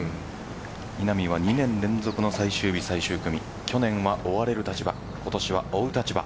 稲見の２年連続の最終日、最終組去年は追われる立場